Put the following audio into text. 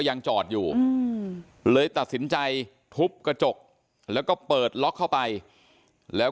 ยังจอดอยู่เลยตัดสินใจทุบกระจกแล้วก็เปิดล็อกเข้าไปแล้ว